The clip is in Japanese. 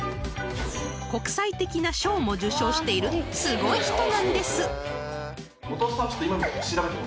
［国際的な賞も受賞しているすごい人なんです］